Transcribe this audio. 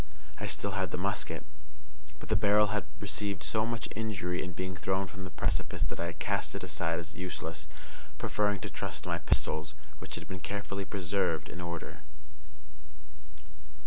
I still had the musket, but the barrel had received so much injury in being thrown from the precipice that I cast it aside as useless, preferring to trust my pistols, which had been carefully preserved in order.